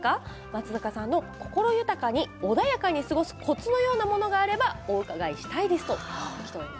松坂さんの心豊かに穏やかに過ごすコツのようなものがあればお伺いしたいです。